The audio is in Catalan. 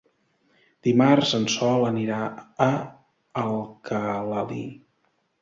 Dimarts en Sol anirà a Alcalalí.